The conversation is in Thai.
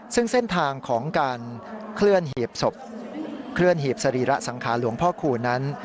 ซึ่งเส้นทางของการเคลื่อนหีบสรีระสังคารหลวงพ่อคุณนั้น